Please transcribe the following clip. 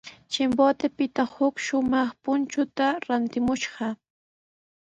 Chimbotepita huk shumaq punchuta rantimushqa.